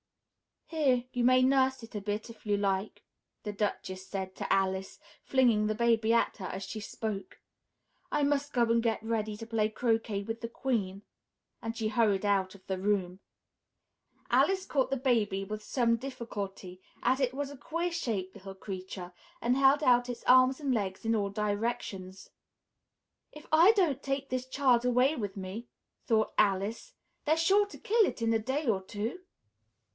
"Here! You may nurse it a bit, if you like!" the Duchess said to Alice, flinging the baby at her as she spoke. "I must go and get ready to play croquet with the Queen," and she hurried out of the room. Alice caught the baby with some difficulty, as it was a queer shaped little creature and held out its arms and legs in all directions. "If I don't take this child away with me," thought Alice, "they're sure to kill it in a day or two.